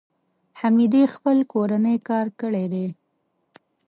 حمیدې خپل کورنی کار کړی دی.